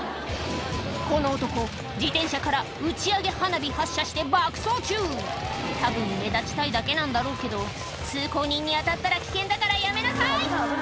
この男自転車から打ち上げ花火発射して爆走中たぶん目立ちたいだけなんだろうけど通行人に当たったら危険だからやめなさい！